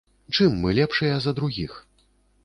Чым мы лепшыя за другіх?